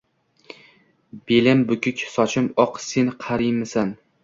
Belim bukik sochim oq sen qarimaysan